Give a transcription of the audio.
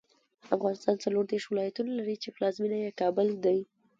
افغانستان څلوردېرش ولایتونه لري، چې پلازمېنه یې کابل دی.